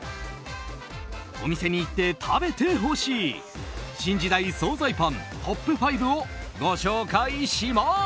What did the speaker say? お店に行って食べてほしい新時代総菜パントップ５をご紹介します！